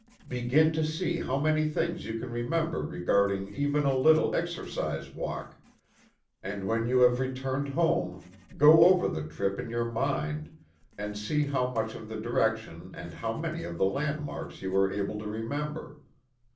Begin to see how many things you can remember regarding even a little exercise walk. And when you have returned home, go over the trip in your mind, and see how much of the direction and how many of the landmarks you are able to remember.